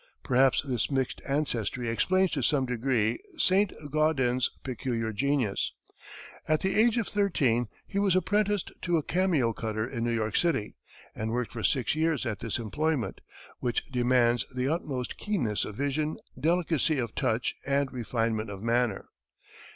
Perhaps this mixed ancestry explains to some degree Saint Gaudens's peculiar genius. At the age of thirteen, he was apprenticed to a cameo cutter in New York City, and worked for six years at this employment, which demands the utmost keenness of vision, delicacy of touch, and refinement of manner.